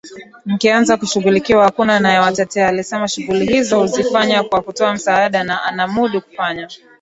mkianza kushughulikiwa hakuna atakayewateteaAlisema shughuli hizo huzifanya kwa kutoa msaada na anamudu kufanya